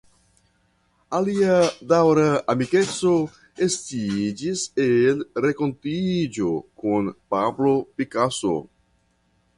Alia daŭra amikeco estiĝis el renkontiĝo kun Pablo Picasso.